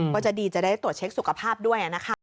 ก็จะดีจะได้ตรวจเช็คสุขภาพด้วยนะคะ